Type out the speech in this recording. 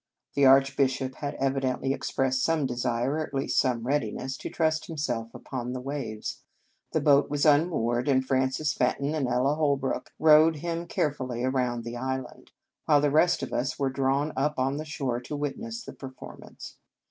The Archbishop had evidently expressed some desire, or at least some readiness, to trust himself upon the waves. The boat was unmoored, and Frances Fenton and Ella Holrook rowed him care fully around the island, while the rest of us were drawn up on shore to wit ness the performance.